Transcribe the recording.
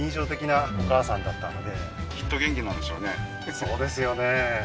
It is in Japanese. そうですよね